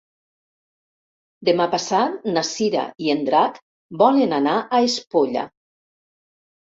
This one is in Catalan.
Demà passat na Cira i en Drac volen anar a Espolla.